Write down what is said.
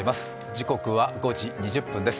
時刻は５時２０分です。